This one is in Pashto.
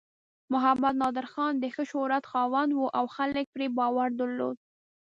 محمد نادر خان د ښه شهرت خاوند و او خلک یې پرې باور درلود.